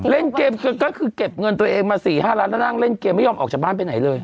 เล่นเกมก็คือเก็บเงินตัวเองมา๔๕ล้านแล้วนั่งเล่นเกมไม่ยอมออกจากบ้านไปไหนเลย